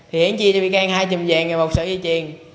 hiển chia cho vy cang hai chùm vàng và một sợi dây chiền